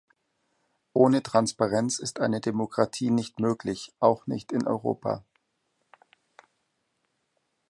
Ohne Transparenz ist eine Demokratie nicht möglich, auch nicht in Europa.